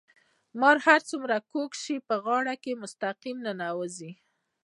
مار هر څومره کوږ شي په غار کې مستقيم ورننوزي.